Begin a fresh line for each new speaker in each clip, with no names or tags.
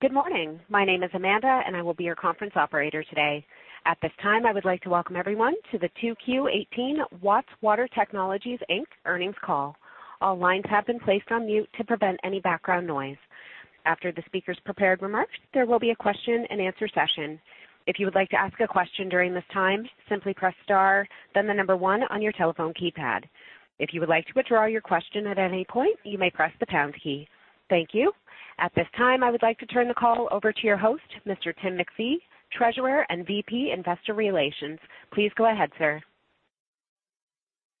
Good morning. My name is Amanda, and I will be your conference operator today. At this time, I would like to welcome everyone to the 2Q18 Watts Water Technologies, Inc. earnings call. All lines have been placed on mute to prevent any background noise. After the speaker's prepared remarks, there will be a question-and-answer session. If you would like to ask a question during this time, simply press star, then the number one on your telephone keypad. If you would like to withdraw your question at any point, you may press the pound key. Thank you. At this time, I would like to turn the call over to your host, Mr. Tim MacPhee, Treasurer and VP Investor Relations. Please go ahead, sir.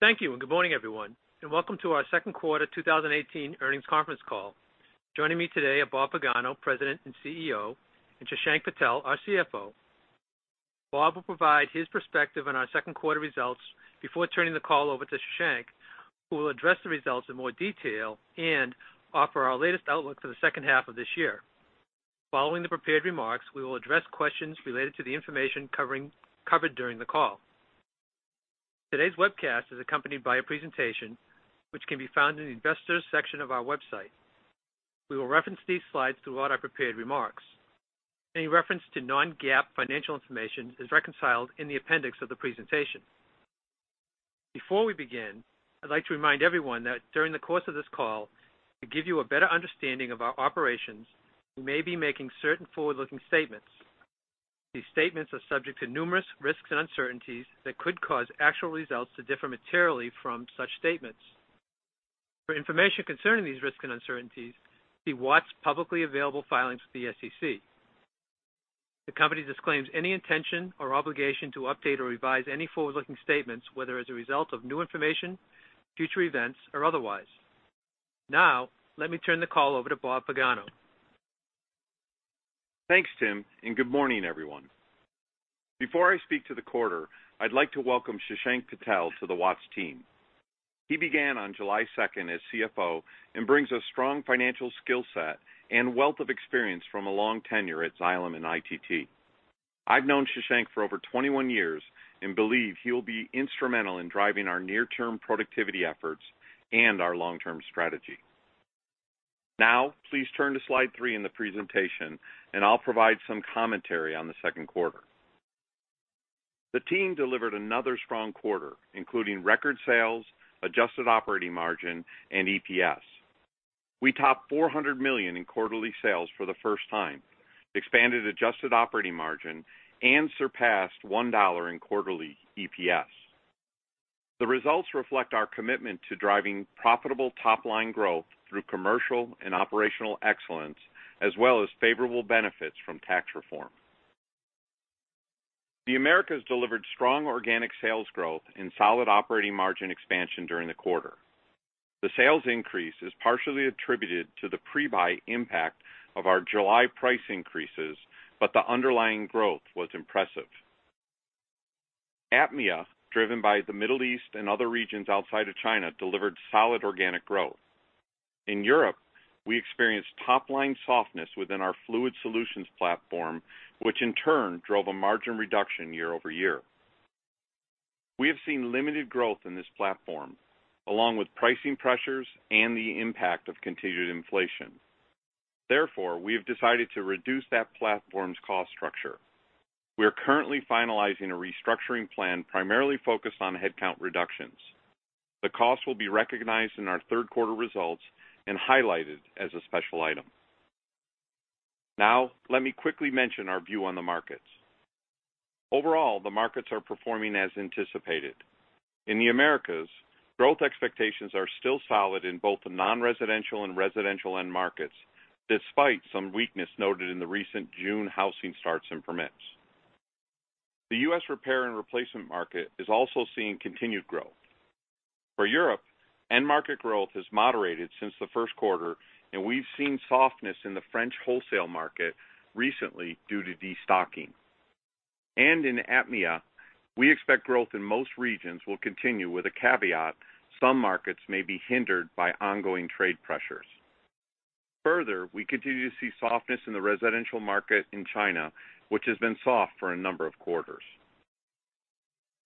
Thank you, and good morning, everyone, and welcome to our second quarter 2018 earnings conference call. Joining me today are Bob Pagano, President and CEO, and Shashank Patel, our CFO. Bob will provide his perspective on our second quarter results before turning the call over to Shashank, who will address the results in more detail and offer our latest outlook for the second half of this year. Following the prepared remarks, we will address questions related to the information covered during the call. Today's webcast is accompanied by a presentation which can be found in the Investors section of our website. We will reference these slides throughout our prepared remarks. Any reference to non-GAAP financial information is reconciled in the appendix of the presentation. Before we begin, I'd like to remind everyone that during the course of this call, to give you a better understanding of our operations, we may be making certain forward-looking statements. These statements are subject to numerous risks and uncertainties that could cause actual results to differ materially from such statements. For information concerning these risks and uncertainties, see Watts' publicly available filings with the SEC. The company disclaims any intention or obligation to update or revise any forward-looking statements, whether as a result of new information, future events, or otherwise. Now, let me turn the call over to Bob Pagano.
Thanks, Tim, and good morning, everyone. Before I speak to the quarter, I'd like to welcome Shashank Patel to the Watts team. He began on July second as CFO and brings a strong financial skill set and wealth of experience from a long tenure at Xylem and ITT. I've known Shashank for over 21 years and believe he will be instrumental in driving our near-term productivity efforts and our long-term strategy. Now, please turn to slide 3 in the presentation, and I'll provide some commentary on the second quarter. The team delivered another strong quarter, including record sales, adjusted operating margin, and EPS. We topped $400 million in quarterly sales for the first time, expanded adjusted operating margin and surpassed $1 in quarterly EPS. The results reflect our commitment to driving profitable top-line growth through commercial and operational excellence, as well as favorable benefits from tax reform. The Americas delivered strong organic sales growth and solid operating margin expansion during the quarter. The sales increase is partially attributed to the pre-buy impact of our July price increases, but the underlying growth was impressive. APMEA, driven by the Middle East and other regions outside of China, delivered solid organic growth. In Europe, we experienced top-line softness within our Fluid Solutions platform, which in turn drove a margin reduction year-over-year. We have seen limited growth in this platform, along with pricing pressures and the impact of continued inflation. Therefore, we have decided to reduce that platform's cost structure. We are currently finalizing a restructuring plan primarily focused on headcount reductions. The cost will be recognized in our third quarter results and highlighted as a special item. Now, let me quickly mention our view on the markets. Overall, the markets are performing as anticipated. In the Americas, growth expectations are still solid in both the non-residential and residential end markets, despite some weakness noted in the recent June housing starts and permits. The U.S. repair and replacement market is also seeing continued growth. For Europe, end market growth has moderated since the first quarter, and we've seen softness in the French wholesale market recently due to destocking. In APMEA, we expect growth in most regions will continue, with a caveat some markets may be hindered by ongoing trade pressures. Further, we continue to see softness in the residential market in China, which has been soft for a number of quarters.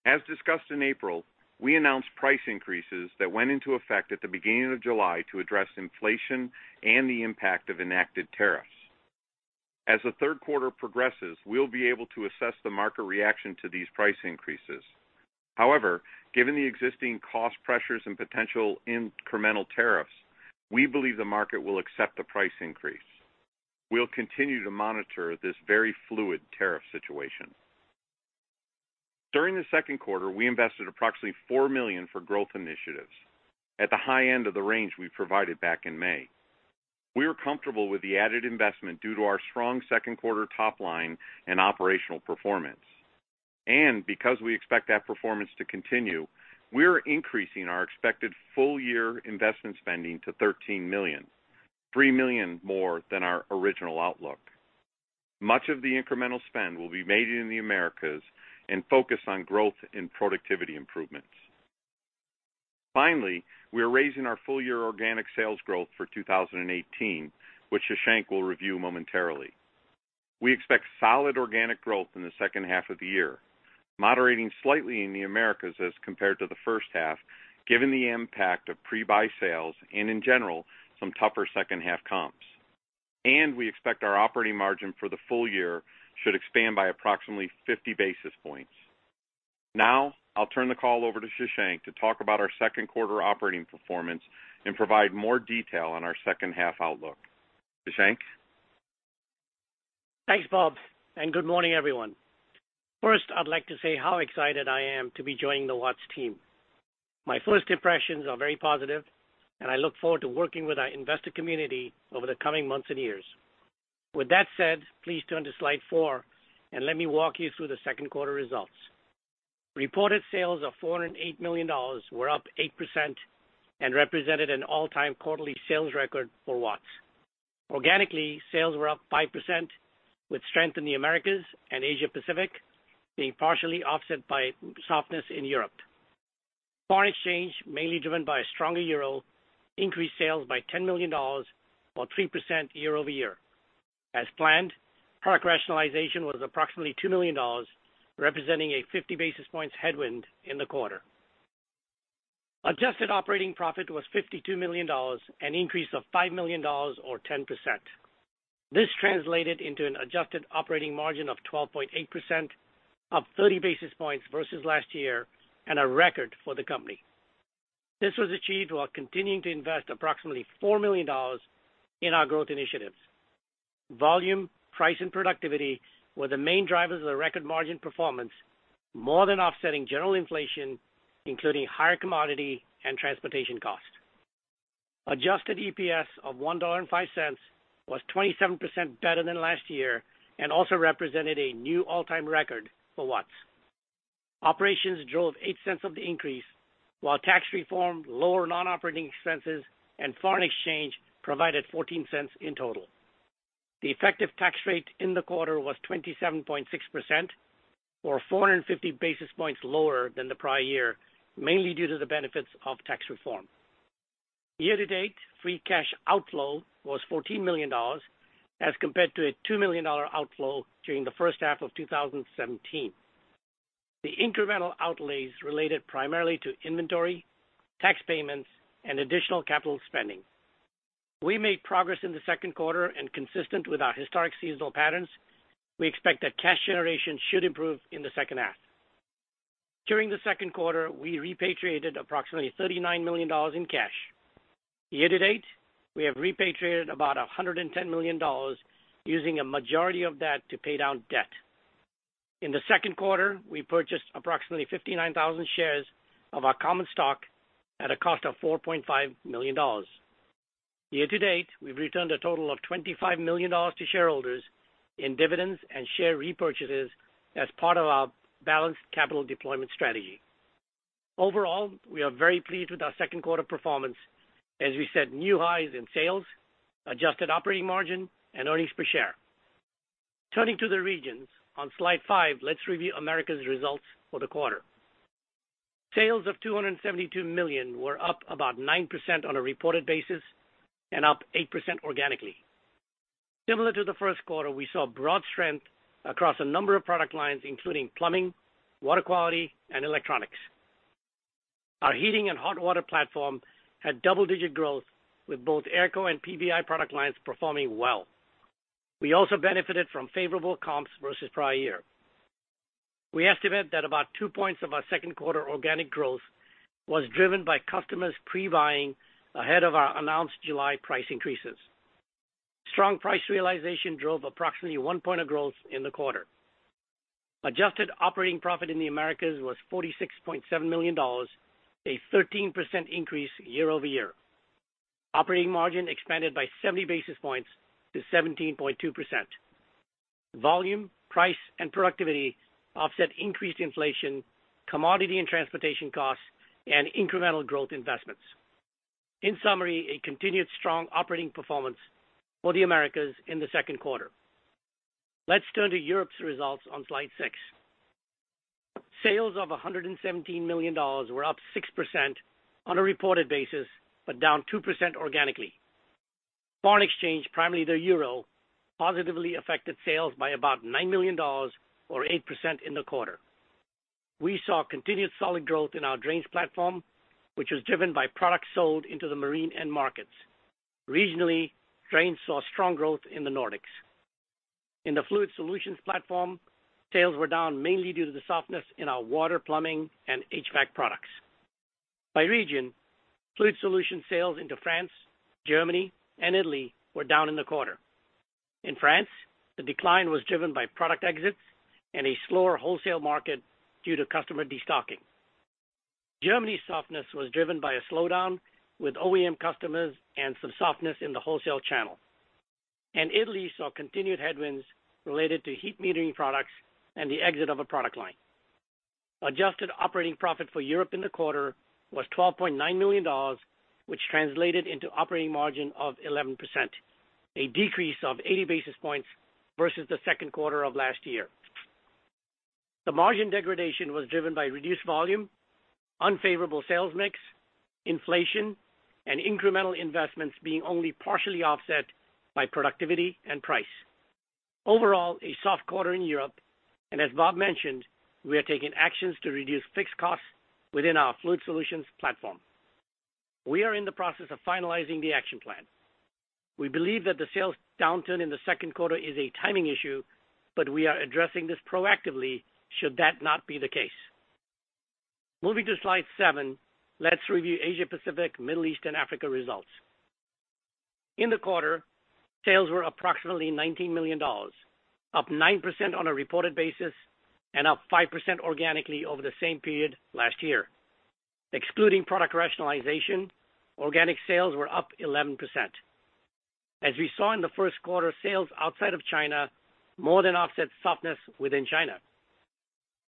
As discussed in April, we announced price increases that went into effect at the beginning of July to address inflation and the impact of enacted tariffs. As the third quarter progresses, we'll be able to assess the market reaction to these price increases. However, given the existing cost pressures and potential incremental tariffs, we believe the market will accept the price increase. We'll continue to monitor this very fluid tariff situation. During the second quarter, we invested approximately $4 million for growth initiatives at the high end of the range we provided back in May. We are comfortable with the added investment due to our strong second quarter top line and operational performance. And because we expect that performance to continue, we're increasing our expected full-year investment spending to $13 million, $3 million more than our original outlook. Much of the incremental spend will be made in the Americas and focused on growth and productivity improvements. Finally, we are raising our full-year organic sales growth for 2018, which Shashank will review momentarily. We expect solid organic growth in the second half of the year, moderating slightly in the Americas as compared to the first half, given the impact of pre-buy sales and, in general, some tougher second half comps. We expect our operating margin for the full year should expand by approximately 50 basis points. Now, I'll turn the call over to Shashank to talk about our second quarter operating performance and provide more detail on our second half outlook. Shashank?
Thanks, Bob, and good morning, everyone. First, I'd like to say how excited I am to be joining the Watts team. My first impressions are very positive, and I look forward to working with our investor community over the coming months and years. With that said, please turn to slide 4, and let me walk you through the second quarter results. Reported sales of $408 million were up 8% and represented an all-time quarterly sales record for Watts. Organically, sales were up 5%, with strength in the Americas and Asia Pacific being partially offset by softness in Europe. Foreign exchange, mainly driven by a stronger euro, increased sales by $10 million, or 3% year-over-year. As planned, product rationalization was approximately $2 million, representing a 50 basis points headwind in the quarter. Adjusted operating profit was $52 million, an increase of $5 million or 10%. This translated into an adjusted operating margin of 12.8%, up 30 basis points versus last year and a record for the company. This was achieved while continuing to invest approximately $4 million in our growth initiatives. Volume, price, and productivity were the main drivers of the record margin performance, more than offsetting general inflation, including higher commodity and transportation costs. Adjusted EPS of $1.05 was 27% better than last year and also represented a new all-time record for Watts. Operations drove eight cents of the increase, while tax reform, lower non-operating expenses, and foreign exchange provided 14 cents in total. The effective tax rate in the quarter was 27.6%, or 450 basis points lower than the prior year, mainly due to the benefits of tax reform. Year to date, free cash outflow was $14 million, as compared to a $2 million outflow during the first half of 2017. The incremental outlays related primarily to inventory, tax payments, and additional capital spending. We made progress in the second quarter, and consistent with our historic seasonal patterns, we expect that cash generation should improve in the second half. During the second quarter, we repatriated approximately $39 million in cash. Year to date, we have repatriated about $110 million, using a majority of that to pay down debt. In the second quarter, we purchased approximately 59,000 shares of our common stock at a cost of $4.5 million. Year to date, we've returned a total of $25 million to shareholders in dividends and share repurchases as part of our balanced capital deployment strategy. Overall, we are very pleased with our second quarter performance, as we set new highs in sales, adjusted operating margin, and earnings per share. Turning to the regions, on slide five, let's review Americas results for the quarter. Sales of $272 million were up about 9% on a reported basis and up 8% organically. Similar to the first quarter, we saw broad strength across a number of product lines, including plumbing, water quality, and electronics. Our heating and hot water platform had double-digit growth, with both AERCO and PVI product lines performing well. We also benefited from favorable comps versus prior year. We estimate that about 2 points of our second quarter organic growth was driven by customers pre-buying ahead of our announced July price increases. Strong price realization drove approximately 1 point of growth in the quarter. Adjusted operating profit in the Americas was $46.7 million, a 13% increase year-over-year. Operating margin expanded by 70 basis points to 17.2%. Volume, price, and productivity offset increased inflation, commodity and transportation costs, and incremental growth investments. In summary, a continued strong operating performance for the Americas in the second quarter. Let's turn to Europe's results on slide 6. Sales of $117 million were up 6% on a reported basis, but down 2% organically. Foreign exchange, primarily the euro, positively affected sales by about $9 million or 8% in the quarter. We saw continued solid growth in our Drains platform, which was driven by products sold into the marine end markets. Regionally, Drains saw strong growth in the Nordics. In the Fluid Solutions platform, sales were down, mainly due to the softness in our water, plumbing, and HVAC products. By region, Fluid Solutions sales into France, Germany, and Italy were down in the quarter. In France, the decline was driven by product exits and a slower wholesale market due to customer destocking. Germany's softness was driven by a slowdown with OEM customers and some softness in the wholesale channel. Italy saw continued headwinds related to heat metering products and the exit of a product line. Adjusted operating profit for Europe in the quarter was $12.9 million, which translated into operating margin of 11%, a decrease of 80 basis points versus the second quarter of last year. The margin degradation was driven by reduced volume, unfavorable sales mix, inflation, and incremental investments being only partially offset by productivity and price. Overall, a soft quarter in Europe, and as Bob mentioned, we are taking actions to reduce fixed costs within our Fluid Solutions platform. We are in the process of finalizing the action plan. We believe that the sales downturn in the second quarter is a timing issue, but we are addressing this proactively should that not be the case. Moving to Slide 7, let's review Asia Pacific, Middle East, and Africa results. In the quarter, sales were approximately $19 million, up 9% on a reported basis and up 5% organically over the same period last year. Excluding product rationalization, organic sales were up 11%. As we saw in the first quarter, sales outside of China more than offset softness within China.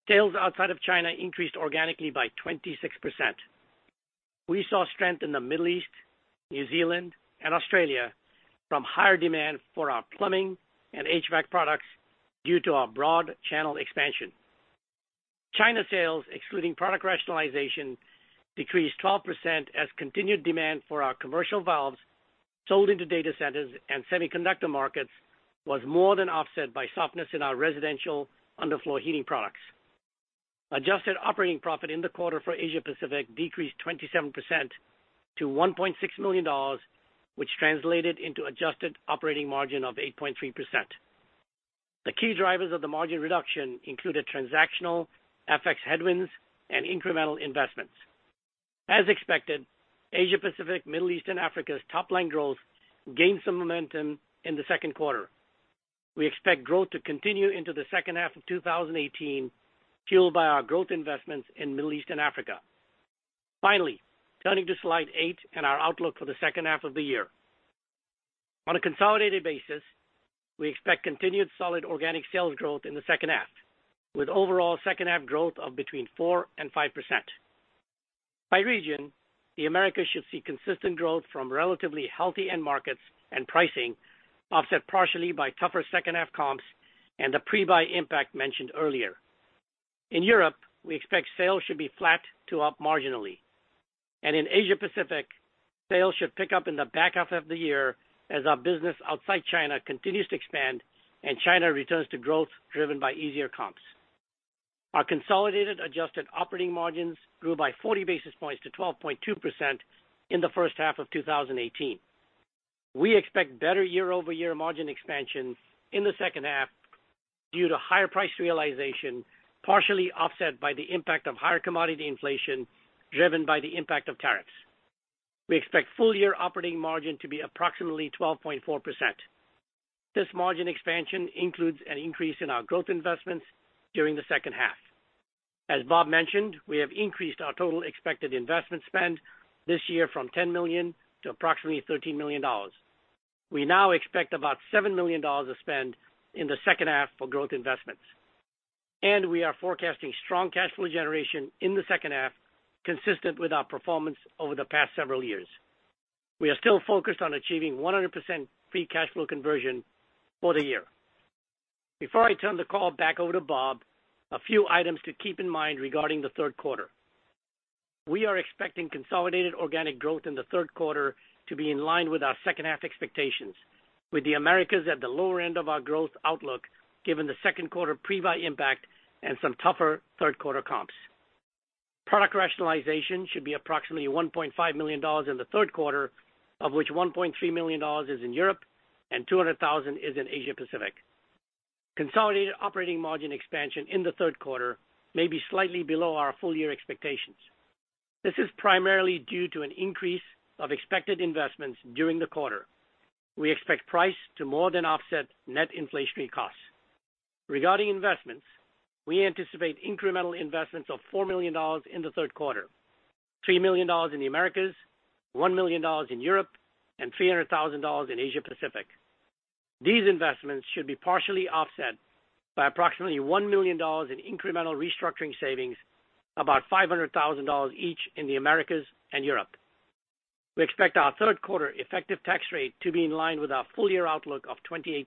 Sales outside of China increased organically by 26%. We saw strength in the Middle East, New Zealand, and Australia from higher demand for our plumbing and HVAC products due to our broad channel expansion. China sales, excluding product rationalization, decreased 12% as continued demand for our commercial valves sold into data centers and semiconductor markets was more than offset by softness in our residential underfloor heating products. Adjusted operating profit in the quarter for Asia Pacific decreased 27% to $1.6 million, which translated into adjusted operating margin of 8.3%. The key drivers of the margin reduction included transactional FX headwinds and incremental investments. As expected, Asia Pacific, Middle East, and Africa's top-line growth gained some momentum in the second quarter. We expect growth to continue into the second half of 2018, fueled by our growth investments in Middle East and Africa. Finally, turning to Slide 8 and our outlook for the second half of the year. On a consolidated basis, we expect continued solid organic sales growth in the second half, with overall second half growth of between 4% and 5%. By region, the Americas should see consistent growth from relatively healthy end markets and pricing, offset partially by tougher second half comps and the pre-buy impact mentioned earlier. In Europe, we expect sales should be flat to up marginally. And in Asia Pacific, sales should pick up in the back half of the year as our business outside China continues to expand and China returns to growth driven by easier comps. Our consolidated adjusted operating margins grew by 40 basis points to 12.2% in the first half of 2018. We expect better year-over-year margin expansion in the second half due to higher price realization, partially offset by the impact of higher commodity inflation driven by the impact of tariffs. We expect full-year operating margin to be approximately 12.4%. This margin expansion includes an increase in our growth investments during the second half. As Bob mentioned, we have increased our total expected investment spend this year from $10 million to approximately $13 million. We now expect about $7 million of spend in the second half for growth investments, and we are forecasting strong cash flow generation in the second half, consistent with our performance over the past several years. We are still focused on achieving 100% free cash flow conversion for the year. Before I turn the call back over to Bob, a few items to keep in mind regarding the third quarter. We are expecting consolidated organic growth in the third quarter to be in line with our second half expectations, with the Americas at the lower end of our growth outlook, given the second quarter pre-buy impact and some tougher third quarter comps. Product rationalization should be approximately $1.5 million in the third quarter, of which $1.3 million is in Europe and $200,000 is in Asia Pacific. Consolidated operating margin expansion in the third quarter may be slightly below our full-year expectations. This is primarily due to an increase of expected investments during the quarter. We expect price to more than offset net inflationary costs. Regarding investments, we anticipate incremental investments of $4 million in the third quarter, $3 million in the Americas, $1 million in Europe, and $300,000 in Asia Pacific. These investments should be partially offset by approximately $1 million in incremental restructuring savings, about $500,000 each in the Americas and Europe. We expect our third quarter effective tax rate to be in line with our full-year outlook of 28%.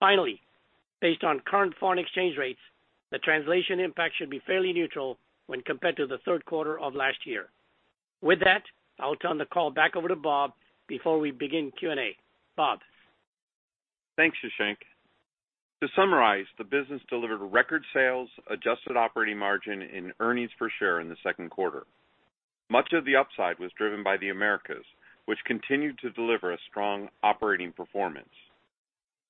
Finally, based on current foreign exchange rates, the translation impact should be fairly neutral when compared to the third quarter of last year. With that, I'll turn the call back over to Bob before we begin Q&A. Bob?
Thanks, Shashank. To summarize, the business delivered record sales, adjusted operating margin, and earnings per share in the second quarter. Much of the upside was driven by the Americas, which continued to deliver a strong operating performance.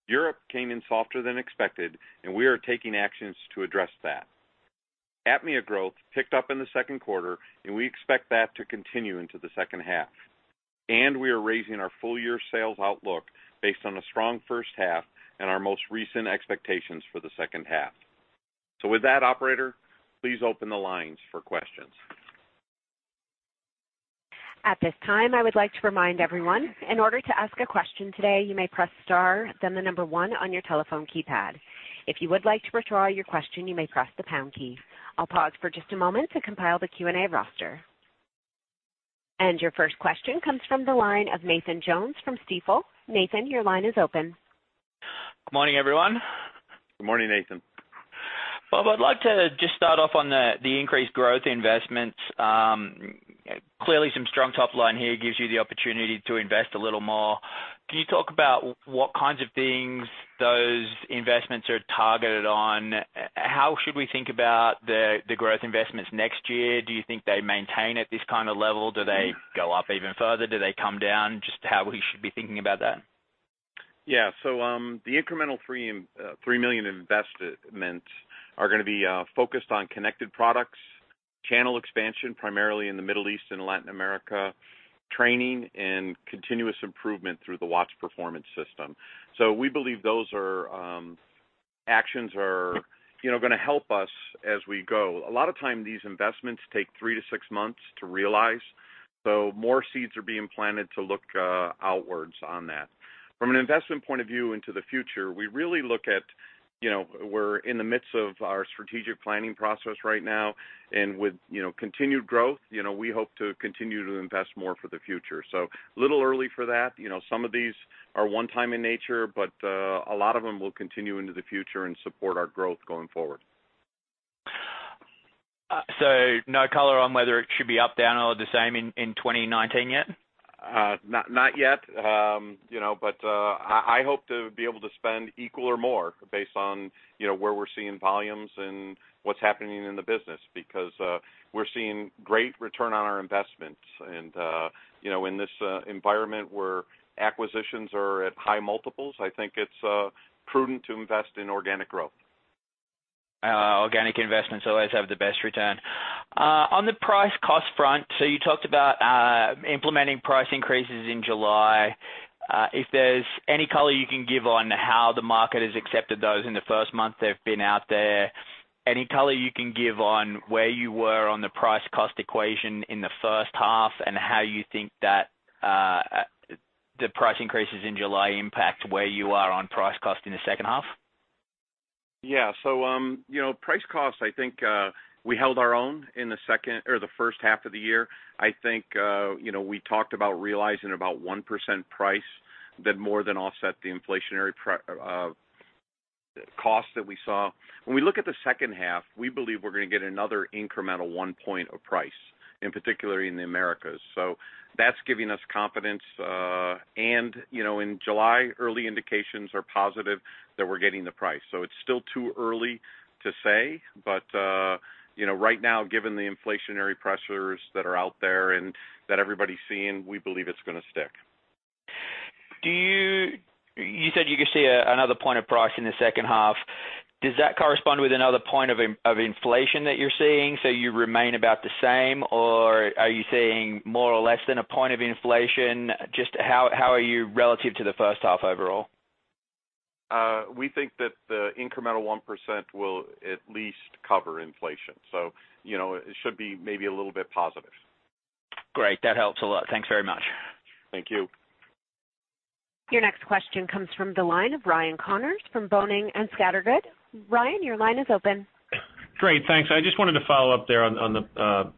Europe came in softer than expected, and we are taking actions to address that. APMEA growth picked up in the second quarter, and we expect that to continue into the second half. And we are raising our full-year sales outlook based on a strong first half and our most recent expectations for the second half. So with that, operator, please open the lines for questions.
At this time, I would like to remind everyone, in order to ask a question today, you may press star, then the number one on your telephone keypad. If you would like to withdraw your question, you may press the pound key. I'll pause for just a moment to compile the Q&A roster. ...Your first question comes from the line of Nathan Jones from Stifel. Nathan, your line is open.
Good morning, everyone.
Good morning, Nathan.
Bob, I'd like to just start off on the increased growth investments. Clearly, some strong top line here gives you the opportunity to invest a little more. Can you talk about what kinds of things those investments are targeted on? How should we think about the growth investments next year? Do you think they maintain at this kind of level? Do they go up even further? Do they come down? Just how we should be thinking about that.
Yeah. So, the incremental $3 million investment are gonna be focused on connected products, channel expansion, primarily in the Middle East and Latin America, training, and continuous improvement through the Watts Performance System. So we believe those are actions are, you know, gonna help us as we go. A lot of time, these investments take 3-6 months to realize, so more seeds are being planted to look outwards on that. From an investment point of view into the future, we really look at, you know, we're in the midst of our strategic planning process right now, and with, you know, continued growth, you know, we hope to continue to invest more for the future. So a little early for that. You know, some of these are one-time in nature, but a lot of them will continue into the future and support our growth going forward.
No color on whether it should be up, down, or the same in 2019 yet?
Not yet. You know, but I hope to be able to spend equal or more based on, you know, where we're seeing volumes and what's happening in the business because we're seeing great return on our investments. And, you know, in this environment where acquisitions are at high multiples, I think it's prudent to invest in organic growth.
Organic investments always have the best return. On the price-cost front, so you talked about implementing price increases in July. If there's any color you can give on how the market has accepted those in the first month they've been out there, any color you can give on where you were on the price-cost equation in the first half, and how you think that the price increases in July impact where you are on price-cost in the second half?
Yeah. So, you know, price costs, I think, we held our own in the second or the first half of the year. I think, you know, we talked about realizing about 1% price that more than offset the inflationary price-cost that we saw. When we look at the second half, we believe we're gonna get another incremental 1 point of price, particularly in the Americas. So that's giving us confidence. And, you know, in July, early indications are positive that we're getting the price. So it's still too early to say, but, you know, right now, given the inflationary pressures that are out there and that everybody's seeing, we believe it's gonna stick.
Do you? You said you could see another point of price in the second half. Does that correspond with another point of inflation that you're seeing? So you remain about the same, or are you seeing more or less than a point of inflation? Just how are you relative to the first half overall?
We think that the incremental 1% will at least cover inflation. So, you know, it should be maybe a little bit positive.
Great. That helps a lot. Thanks very much.
Thank you.
Your next question comes from the line of Ryan Connors from Boenning & Scattergood. Ryan, your line is open.
Great, thanks. I just wanted to follow up there on the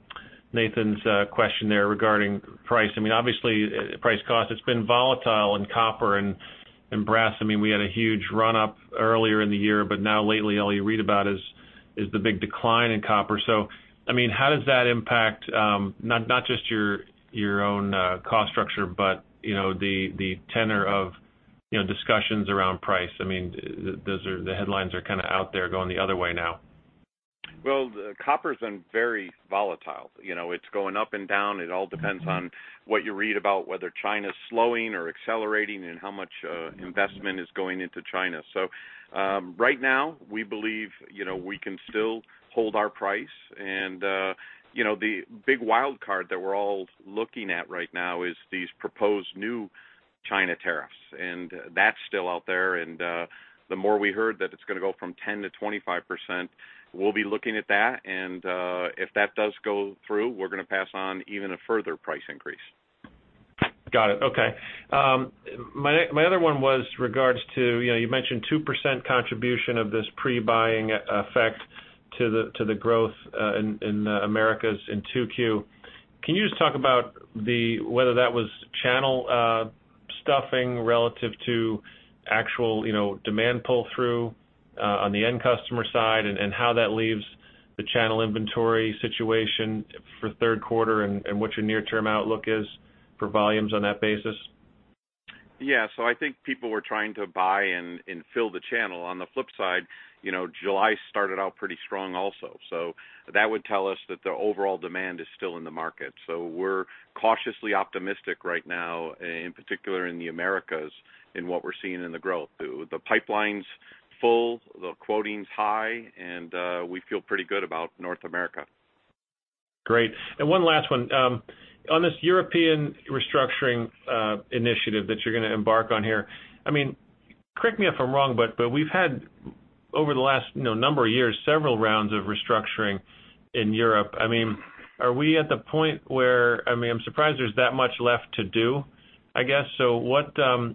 Nathan's question there regarding price. I mean, obviously, price-cost, it's been volatile in copper and brass. I mean, we had a huge run-up earlier in the year, but now lately, all you read about is the big decline in copper. So, I mean, how does that impact not just your own cost structure, but you know, the tenor of you know, discussions around price? I mean, those are the headlines are kind of out there going the other way now.
Well, copper's been very volatile. You know, it's going up and down. It all depends on what you read about whether China's slowing or accelerating and how much, investment is going into China. So, right now, we believe, you know, we can still hold our price. And, you know, the big wild card that we're all looking at right now is these proposed new China tariffs, and that's still out there. And, the more we heard that it's gonna go from 10 to 25%, we'll be looking at that, and, if that does go through, we're gonna pass on even a further price increase.
Got it. Okay. My other one was regards to, you know, you mentioned 2% contribution of this pre-buying effect to the growth in Americas in 2Q. Can you just talk about whether that was channel stuffing relative to actual, you know, demand pull-through on the end customer side, and how that leaves the channel inventory situation for third quarter, and what your near-term outlook is for volumes on that basis?
Yeah. So I think people were trying to buy and fill the channel. On the flip side, you know, July started out pretty strong also, so that would tell us that the overall demand is still in the market. So we're cautiously optimistic right now, in particular in the Americas, in what we're seeing in the growth. The pipeline's full, the quoting's high, and we feel pretty good about North America.
Great. And one last one. On this European restructuring initiative that you're gonna embark on here, I mean, correct me if I'm wrong, but, but we've had, over the last, you know, number of years, several rounds of restructuring in Europe. I mean, are we at the point where... I mean, I'm surprised there's that much left to do, I guess. So what... Can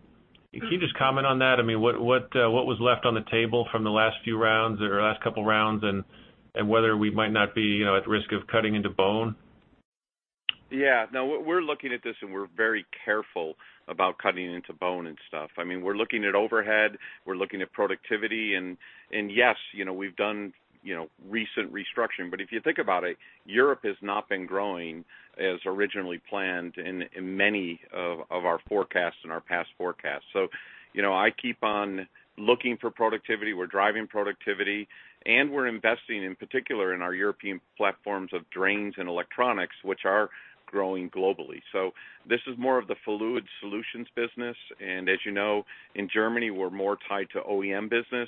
you just comment on that? I mean, what, what, what was left on the table from the last few rounds or last couple of rounds, and, and whether we might not be, you know, at risk of cutting into bone?
Yeah. No, we're looking at this, and we're very careful about cutting into bone and stuff. I mean, we're looking at overhead, we're looking at productivity, and yes, you know, we've done, you know, recent restructuring. But if you think about it, Europe has not been growing as originally planned in many of our forecasts and our past forecasts. So, you know, I keep on looking for productivity. We're driving productivity, and we're investing, in particular, in our European platforms of Drains and Electronics, which are growing globally. So this is more of the Fluid Solutions business, and as you know, in Germany, we're more tied to OEM business,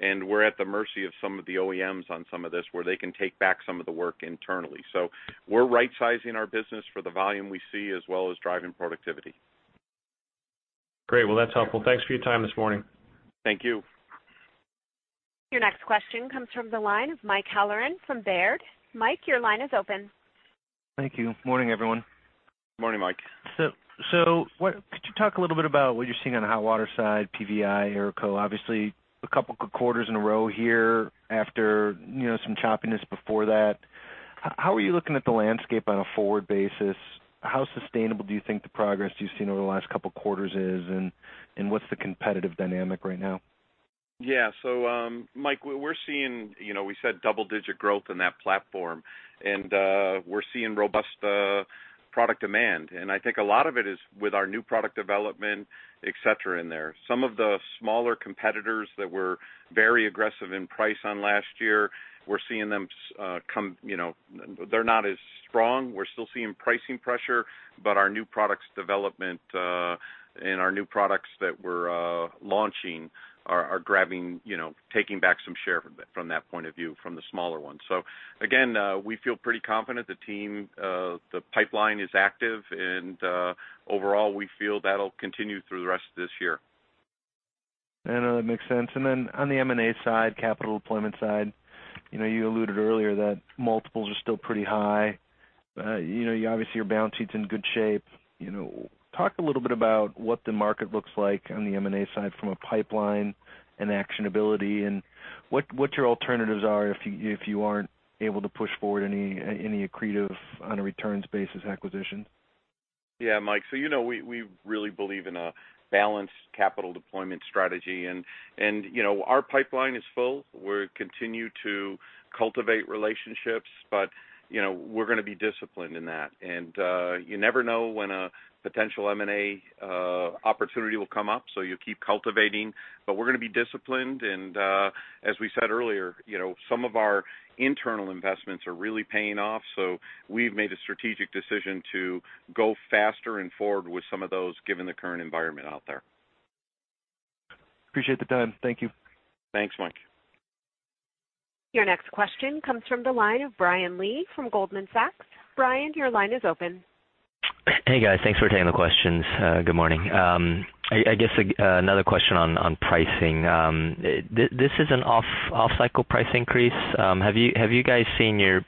and we're at the mercy of some of the OEMs on some of this, where they can take back some of the work internally. We're rightsizing our business for the volume we see, as well as driving productivity.
Great. Well, that's helpful. Thanks for your time this morning.
Thank you.
Your next question comes from the line of Mike Halloran from Baird. Mike, your line is open.
Thank you. Morning, everyone.
Morning, Mike.
So what—could you talk a little bit about what you're seeing on the hot water side, PVI, AERCO, obviously, a couple good quarters in a row here after, you know, some choppiness before that. How are you looking at the landscape on a forward basis? How sustainable do you think the progress you've seen over the last couple of quarters is, and what's the competitive dynamic right now?
Yeah. So, Mike, we're seeing, you know, we said double-digit growth in that platform, and we're seeing robust product demand. And I think a lot of it is with our new product development, et cetera, in there. Some of the smaller competitors that were very aggressive in price on last year, we're seeing them come, you know, they're not as strong. We're still seeing pricing pressure, but our new products development and our new products that we're launching are grabbing, you know, taking back some share from that, from that point of view, from the smaller ones. So again, we feel pretty confident. The team, the pipeline is active, and overall, we feel that'll continue through the rest of this year.
I know that makes sense. And then on the M&A side, capital deployment side, you know, you alluded earlier that multiples are still pretty high. You know, you obviously, your balance sheet's in good shape. You know, talk a little bit about what the market looks like on the M&A side from a pipeline and actionability, and what, what your alternatives are if you, if you aren't able to push forward any, any accretive on a returns basis acquisition.
Yeah, Mike. So, you know, we really believe in a balanced capital deployment strategy, and, you know, our pipeline is full. We're continuing to cultivate relationships, but, you know, we're gonna be disciplined in that. And, you never know when a potential M&A opportunity will come up, so you keep cultivating, but we're gonna be disciplined. And, as we said earlier, you know, some of our internal investments are really paying off, so we've made a strategic decision to go faster and forward with some of those, given the current environment out there.
Appreciate the time. Thank you.
Thanks, Mike.
Your next question comes from the line of Brian Lee from Goldman Sachs. Brian, your line is open.
Hey, guys. Thanks for taking the questions. Good morning. I guess another question on pricing. This is an off-cycle price increase. Have you guys seen your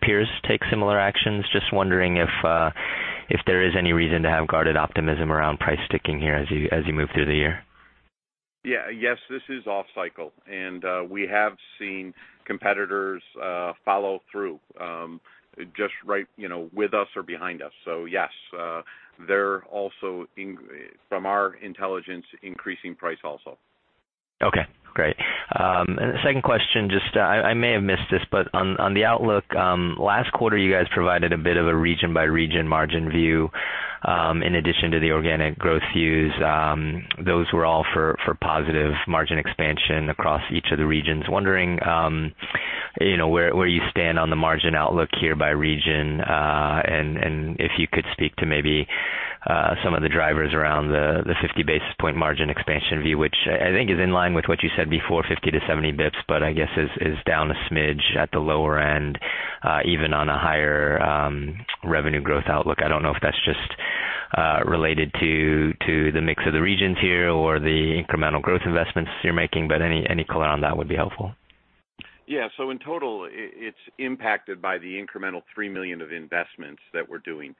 peers take similar actions? Just wondering if there is any reason to have guarded optimism around price sticking here as you move through the year.
Yeah. Yes, this is off cycle, and we have seen competitors follow through just right, you know, with us or behind us. So yes, they're also in, from our intelligence, increasing price also.
Okay, great. And the second question, just, I may have missed this, but on the outlook, last quarter, you guys provided a bit of a region-by-region margin view, in addition to the organic growth views. Those were all for positive margin expansion across each of the regions. Wondering, you know, where you stand on the margin outlook here by region? And if you could speak to maybe some of the drivers around the 50 basis point margin expansion view, which I think is in line with what you said before, 50 to 70 basis points, but I guess is down a smidge at the lower end, even on a higher revenue growth outlook. I don't know if that's just related to the mix of the regions here or the incremental growth investments you're making, but any color on that would be helpful.
Yeah. So in total, it's impacted by the incremental $3 million of investments that we're doing.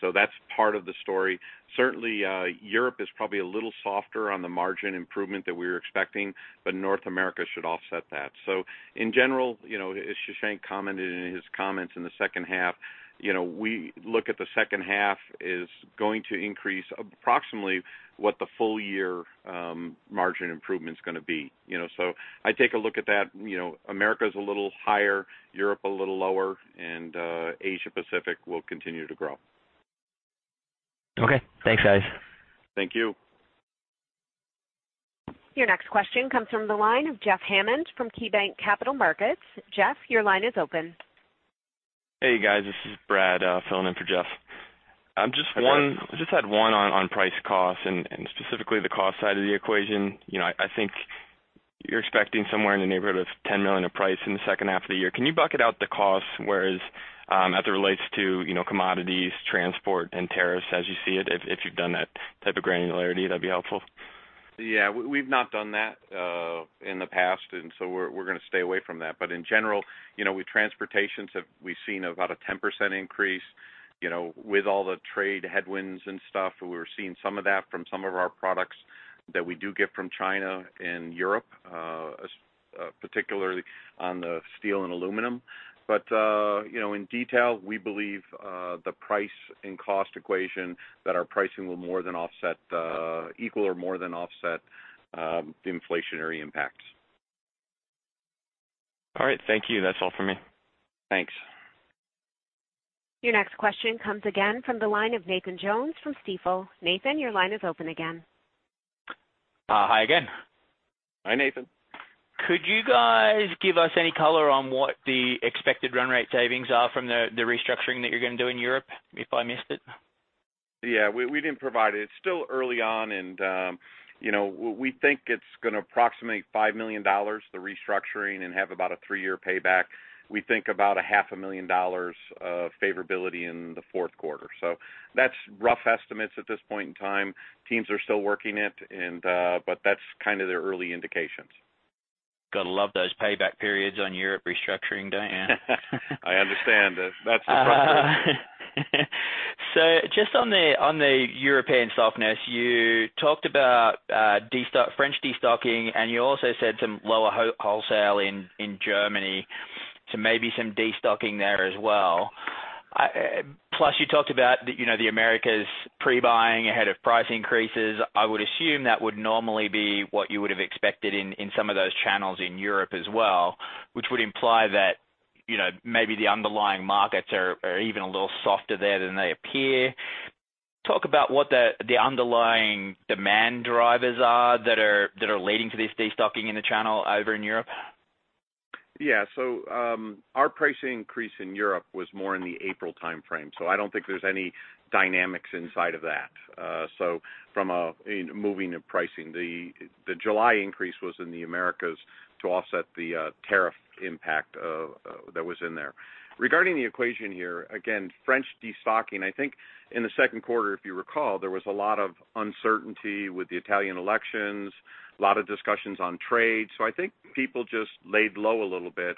So that's part of the story. Certainly, Europe is probably a little softer on the margin improvement that we were expecting, but North America should offset that. So in general, you know, as Shashank commented in his comments in the second half, you know, we look at the second half is going to increase approximately what the full year margin improvement is gonna be, you know? So I take a look at that, you know, America is a little higher, Europe a little lower, and Asia Pacific will continue to grow.
Okay, thanks, guys.
Thank you.
Your next question comes from the line of Jeff Hammond from KeyBanc Capital Markets. Jeff, your line is open.
Hey, guys. This is Brad, filling in for Jeff. Just one-
Hi, Brad.
Just had one on price costs and specifically the cost side of the equation. You know, I think you're expecting somewhere in the neighborhood of $10 million of price in the second half of the year. Can you bucket out the costs, whereas as it relates to, you know, commodities, transport, and tariffs as you see it? If you've done that type of granularity, that'd be helpful. ...
Yeah, we've not done that in the past, and so we're gonna stay away from that. But in general, you know, with transportations, we've seen about a 10% increase, you know, with all the trade headwinds and stuff. We're seeing some of that from some of our products that we do get from China and Europe, particularly on the steel and aluminum. But, you know, in detail, we believe the price and cost equation, that our pricing will more than offset, equal or more than offset, the inflationary impacts.
All right. Thank you. That's all for me.
Thanks.
Your next question comes again from the line of Nathan Jones from Stifel. Nathan, your line is open again.
Hi again.
Hi, Nathan.
Could you guys give us any color on what the expected run rate savings are from the restructuring that you're gonna do in Europe, if I missed it?
Yeah, we didn't provide it. It's still early on, and you know, we think it's gonna approximate $5 million, the restructuring, and have about a 3-year payback. We think about $500,000 of favorability in the fourth quarter. So that's rough estimates at this point in time. Teams are still working it, and but that's kind of the early indications.
Gotta love those payback periods on Europe restructuring, don't you?
I understand. That's the question.
So just on the European softness, you talked about French destocking, and you also said some lower wholesale in Germany, so maybe some destocking there as well. Plus, you talked about you know the Americas pre-buying ahead of price increases. I would assume that would normally be what you would have expected in some of those channels in Europe as well, which would imply that, you know, maybe the underlying markets are even a little softer there than they appear. Talk about what the underlying demand drivers are that are leading to this destocking in the channel over in Europe.
Yeah. So, our pricing increase in Europe was more in the April timeframe, so I don't think there's any dynamics inside of that. So, in moving the pricing, the July increase was in the Americas to offset the tariff impact that was in there. Regarding the equation here, again, French destocking, I think in the second quarter, if you recall, there was a lot of uncertainty with the Italian elections, a lot of discussions on trade. So I think people just laid low a little bit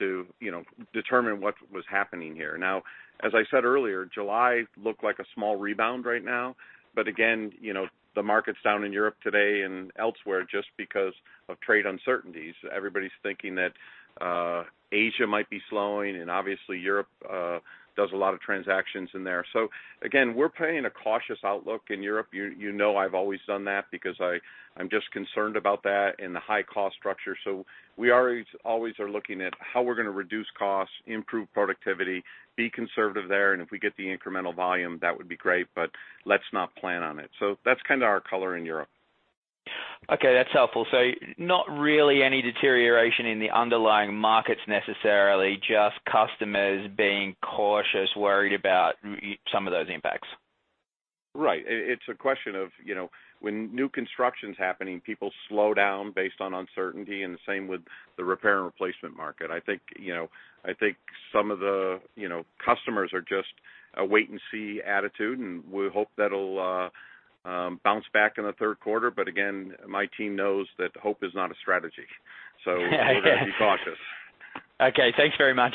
to, you know, determine what was happening here. Now, as I said earlier, July looked like a small rebound right now. But again, you know, the market's down in Europe today and elsewhere, just because of trade uncertainties. Everybody's thinking that Asia might be slowing, and obviously, Europe does a lot of transactions in there. So again, we're playing a cautious outlook in Europe. You know I've always done that because I'm just concerned about that and the high cost structure. So we always, always are looking at how we're gonna reduce costs, improve productivity, be conservative there, and if we get the incremental volume, that would be great, but let's not plan on it. So that's kind of our color in Europe.
Okay, that's helpful. So not really any deterioration in the underlying markets necessarily, just customers being cautious, worried about some of those impacts?
Right. It's a question of, you know, when new construction's happening, people slow down based on uncertainty, and the same with the repair and replacement market. I think, you know, I think some of the, you know, customers are just a wait and see attitude, and we hope that'll bounce back in the third quarter. But again, my team knows that hope is not a strategy.
Okay.
We're gonna be cautious.
Okay. Thanks very much.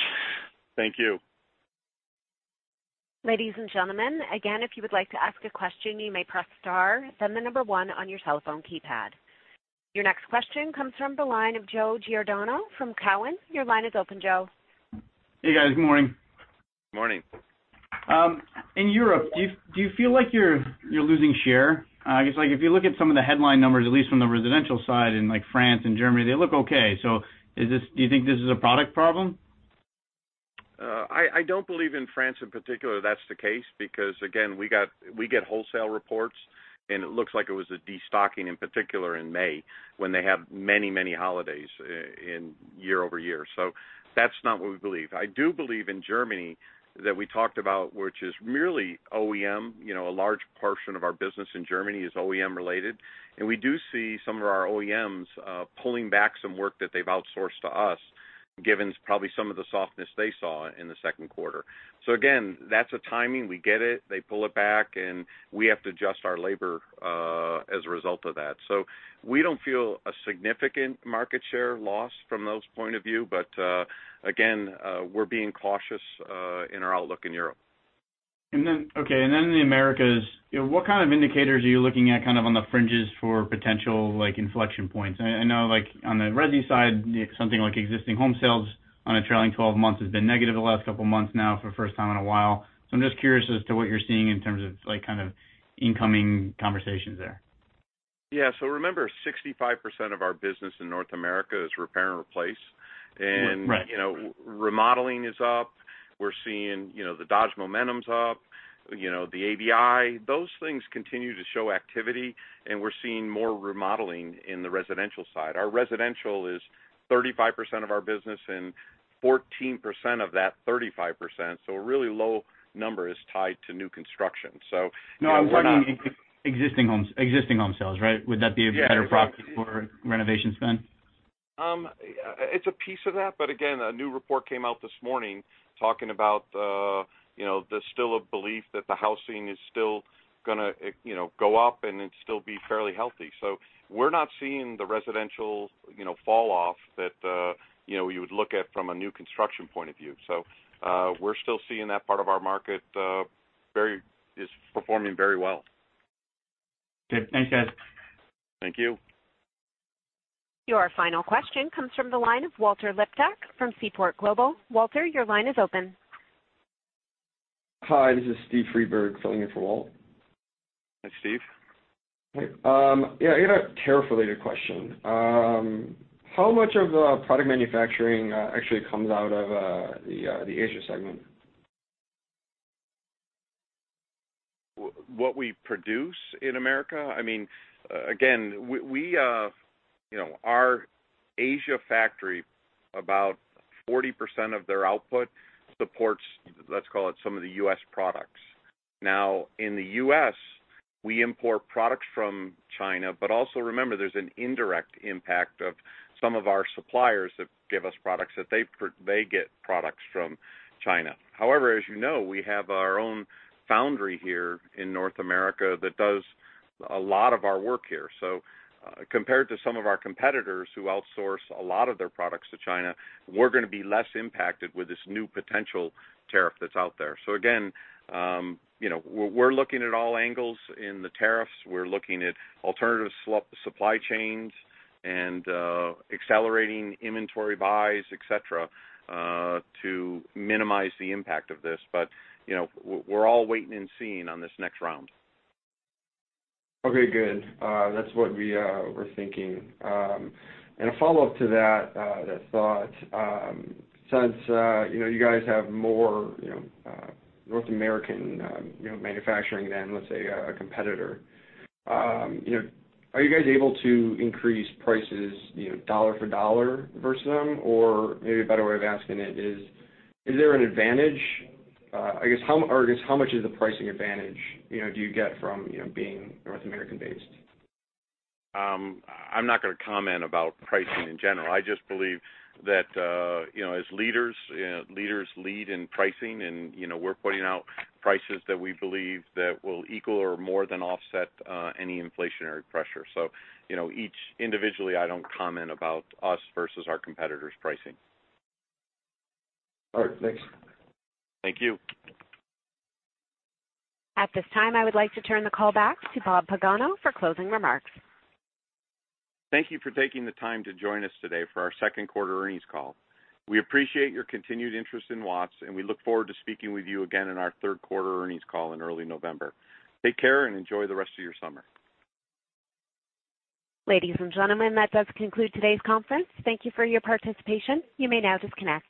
Thank you.
Ladies and gentlemen, again, if you would like to ask a question, you may press star, then the number one on your cell phone keypad. Your next question comes from the line of Joe Giordano from Cowen. Your line is open, Joe.
Hey, guys. Good morning.
Morning.
In Europe, do you, do you feel like you're, you're losing share? I guess, like, if you look at some of the headline numbers, at least from the residential side, in, like, France and Germany, they look okay. So is this, do you think this is a product problem?
I don't believe in France, in particular, that's the case, because, again, we get wholesale reports, and it looks like it was a destocking, in particular, in May, when they have many, many holidays in year-over-year. So that's not what we believe. I do believe in Germany, that we talked about, which is merely OEM. You know, a large portion of our business in Germany is OEM related, and we do see some of our OEMs pulling back some work that they've outsourced to us, given probably some of the softness they saw in the second quarter. So again, that's a timing. We get it, they pull it back, and we have to adjust our labor as a result of that. So we don't feel a significant market share loss from those point of view. Again, we're being cautious in our outlook in Europe.
In the Americas, you know, what kind of indicators are you looking at, kind of on the fringes for potential, like, inflection points? I know, like, on the resi side, something like existing home sales on a trailing twelve months has been negative the last couple of months now for the first time in a while. So I'm just curious as to what you're seeing in terms of, like, kind of incoming conversations there.
Yeah. So remember, 65% of our business in North America is repair and replace.
Right.
You know, remodeling is up. We're seeing, you know, the Dodge Momentum Index is up, you know, the ABI. Those things continue to show activity, and we're seeing more remodeling in the residential side. Our residential is 35% of our business, and 14% of that 35%, so a really low number, is tied to new construction. So, you know, we're not-
No, I'm talking existing homes, existing home sales, right? Would that be a better proxy-
Yeah.
for renovation spend?
Yeah, it's a piece of that, but again, a new report came out this morning talking about, you know, there's still a belief that the housing is still gonna, you know, go up and then still be fairly healthy. So we're not seeing the residential, you know, falloff that, you know, you would look at from a new construction point of view. So, we're still seeing that part of our market is performing very well.
Okay, thanks, guys.
Thank you.
Your final question comes from the line of Walter Liptak from Seaport Global. Walter, your line is open.
Hi, this is Steve Friedberg filling in for Walt.
Hi, Steve.
Hi. Yeah, I had a tariff-related question. How much of the product manufacturing actually comes out of the Asia segment?
What we produce in America? I mean, again, we, you know, our Asia factory, about 40% of their output supports, let's call it, some of the US products. Now, in the US, we import products from China, but also remember, there's an indirect impact of some of our suppliers that give us products that they get products from China. However, as you know, we have our own foundry here in North America that does a lot of our work here. So, compared to some of our competitors who outsource a lot of their products to China, we're gonna be less impacted with this new potential tariff that's out there. So again, you know, we're looking at all angles in the tariffs. We're looking at alternative supply chains and, accelerating inventory buys, et cetera, to minimize the impact of this. You know, we're all waiting and seeing on this next round.
Okay, good. That's what we were thinking. And a follow-up to that thought, since you know, you guys have more, you know, North American, you know, manufacturing than, let's say, a competitor, you know, are you guys able to increase prices, you know, dollar for dollar versus them? Or maybe a better way of asking it is, is there an advantage? I guess, how or I guess, how much is the pricing advantage, you know, do you get from, you know, being North American-based?
I'm not gonna comment about pricing in general. I just believe that, you know, as leaders, leaders lead in pricing, and, you know, we're putting out prices that we believe that will equal or more than offset any inflationary pressure. So, you know, each individually, I don't comment about us versus our competitors' pricing.
All right, thanks.
Thank you.
At this time, I would like to turn the call back to Bob Pagano for closing remarks.
Thank you for taking the time to join us today for our second quarter earnings call. We appreciate your continued interest in Watts, and we look forward to speaking with you again in our third quarter earnings call in early November. Take care and enjoy the rest of your summer.
Ladies and gentlemen, that does conclude today's conference. Thank you for your participation. You may now disconnect.